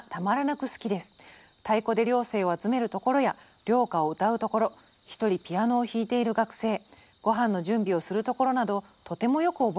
太鼓で寮生を集めるところや寮歌を歌うところ一人ピアノを弾いている学生御飯の準備をするところなどとてもよく覚えています」。